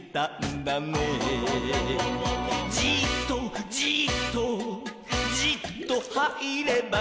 「じっとじっとじっとはいればからだの」